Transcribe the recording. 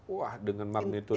wah dengan magnitude